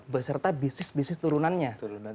beserta bisnis bisnis turunannya